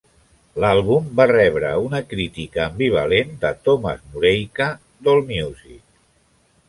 L'àlbum va rebre una crítica ambivalent de Tomas Mureika d'"Allmusic".